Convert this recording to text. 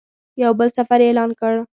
یو بل سفر یې اعلان کړ.